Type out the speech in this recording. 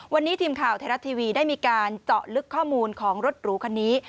วันนี้ทีมข่าวไทยรัฐทีวีได้มีการเจาะลึกข้อมูลของรถหรูคันนี้